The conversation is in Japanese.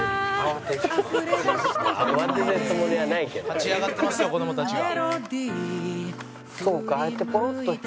「立ち上がってますよ子どもたちが」